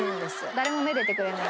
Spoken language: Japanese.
誰も愛でてくれない。